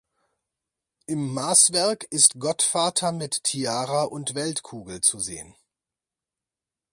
Im Maßwerk ist Gottvater mit Tiara und Weltkugel zu sehen.